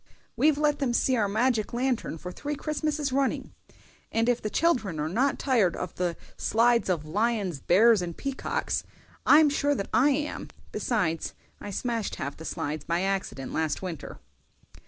"We've let them see our magic lantern for three Christmases running, and if the children are not tired of the slides of lions, bears, and peacocks, I'm sure that I am; besides, I smashed half the slides by accident last winter.